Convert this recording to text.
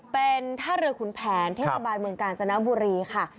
เป็นท่าเรือขุนแผนเทศบาลเมืองกาญจนบุรีค่ะ